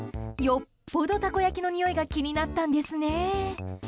よっぽど、たこ焼きのにおいが気になったんですね。